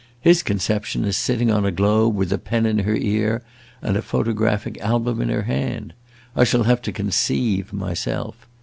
"His conception is sitting on a globe with a pen in her ear and a photographic album in her hand. I shall have to conceive, myself.